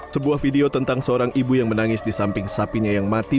sebuah video tentang seorang ibu yang menangis di samping sapinya yang mati